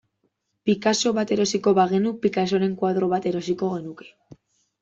Picasso bat erosiko bagenu, Picassoren koadro bat erosiko genuke.